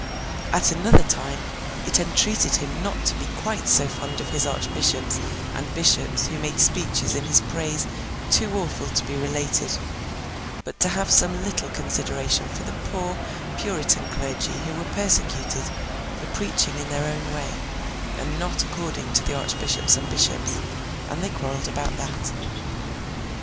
At another time it entreated him not to be quite so fond of his archbishops and bishops who made speeches in his praise too awful to be related, but to have some little consideration for the poor Puritan clergy who were persecuted for preaching in their own way, and not according to the archbishops and bishops; and they quarrelled about that.